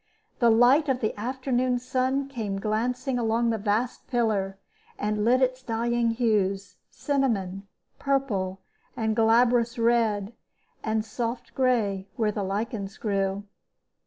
The light of the afternoon sun came glancing along the vast pillar, and lit its dying hues cinnamon, purple, and glabrous red, and soft gray where the lichens grew.